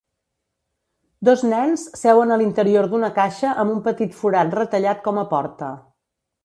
Dos nens seuen a l'interior d'una caixa amb un petit forat retallat com a porta.